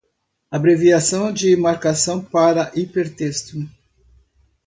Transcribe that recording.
Abreviação de marcação para hipertexto